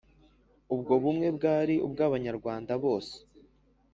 ubwo bumwe bwari ubw'abanyarwanda bose: